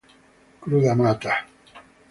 Cruda mata.